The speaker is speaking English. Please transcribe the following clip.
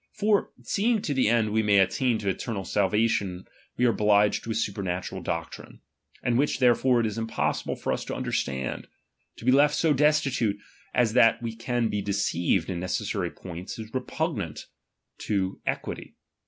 For, seeing to the end we may attain to eternal salvation we are obliged to a supernatural doctrine, and which therefore it is Impossible for us to understand; to be left so destitute as that we can be deceived in necessary points, is repugnant to equity.